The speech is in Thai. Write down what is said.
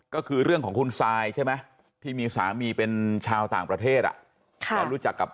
ก็คือเรื่องของคุณซายใช่ไหมที่มีสามีเป็นชาวต่างประเทศแล้วรู้จักกับ